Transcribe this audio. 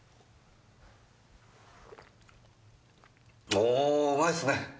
おおうまいっすね。